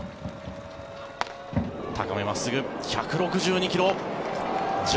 高め真っすぐ１６２ｋｍ。